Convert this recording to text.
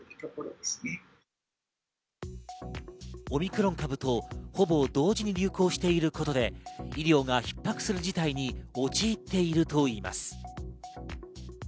オミクロン株とほぼ同時に流行していることで医療が逼迫する事態に陥っているといいます。